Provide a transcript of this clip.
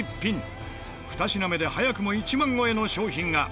２品目で早くも１万超えの商品が。